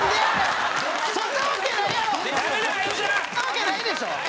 そんなわけないでしょ。